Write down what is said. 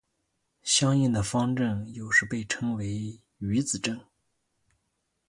相应的方阵有时被称为余子阵。